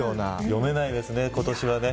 読めないですね、今年は。